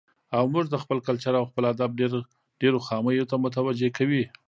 او موږ د خپل کلچر او خپل ادب ډېرو خاميو ته متوجه کوي.